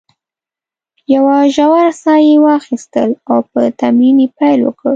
یوه ژوره ساه یې واخیستل او په تمرین یې پیل وکړ.